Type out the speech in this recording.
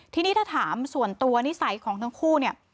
ทีนี้ถ้าถามส่วนตัวนิสัยของทั้งคู่เนี่ย